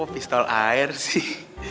pistol air sih